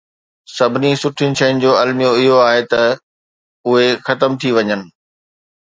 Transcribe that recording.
سڀني سٺين شين جو الميو اهو آهي ته اهي ختم ٿي وڃن.